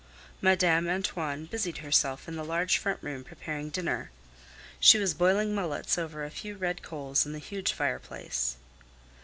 Madame Antoine busied herself in the large front room preparing dinner. She was boiling mullets over a few red coals in the huge fireplace.